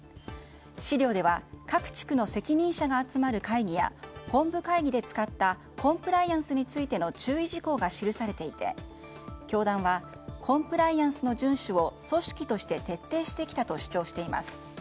資料では各地区の責任者が集まる会議や本部会議で使ったコンプライアンスについての注意事項が記されていて教団はコンプライアンスの順守を組織として徹底してきたと主張しています。